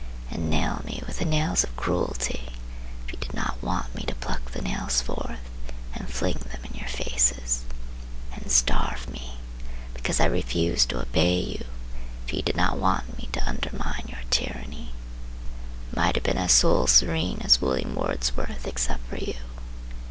And nail me with the nails of cruelty, If you did not want me to pluck the nails forth And fling them in your faces? And starve me because I refused to obey you, If you did not want me to undermine your tyranny? I might have been as soul serene As William Wordsworth except for you!